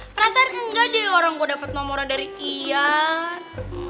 perasaan enggak deh orang gue dapet nomornya dari iyan